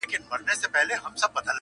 ډېر نا اهله بد کرداره او بد خوی ؤ,